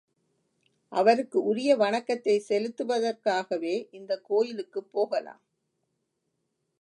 அவருக்கு உரிய வணக்கத்தைச் செலுத்துவதற்காகவே இந்தக் கோயிலுக்குப் போகலாம்.